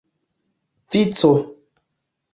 vico